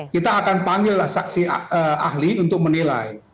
kita akan panggillah saksi ahli untuk menilai